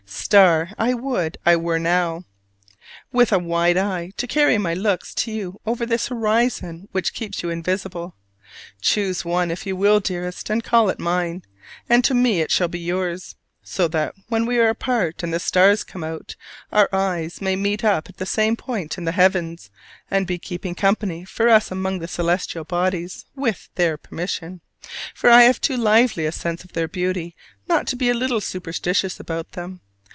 "Star" I would I were now, with a wide eye to carry my looks to you over this horizon which keeps you invisible. Choose one, if you will, dearest, and call it mine: and to me it shall be yours: so that when we are apart and the stars come out, our eyes may meet up at the same point in the heavens, and be "keeping company" for us among the celestial bodies with their permission: for I have too lively a sense of their beauty not to be a little superstitious about them.